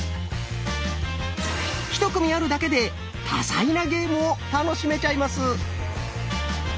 １組あるだけで多彩なゲームを楽しめちゃいます。